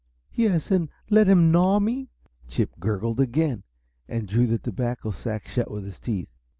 "Yes and let him gnaw me!" Chip gurgled again, and drew the tobacco sack shut with his teeth.